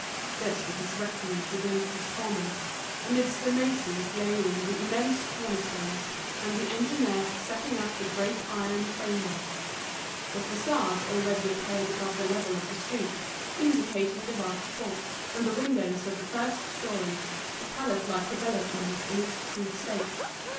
This was his refuge against his torments, amidst the masons laying the immense corner stones, and the engineers setting up the great iron framework. The façade already appeared above the level of the street, indicating the vast porch, and the windows of the first storey, a palace like development in its crude state.